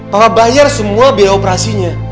bahwa bayar semua biaya operasinya